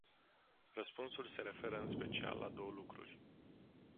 Răspunsul se referă în special la două lucruri.